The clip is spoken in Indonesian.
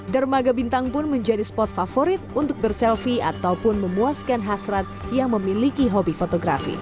dermaga bintang pun menjadi spot favorit untuk berselfie ataupun memuaskan hasrat yang memiliki hobi fotografi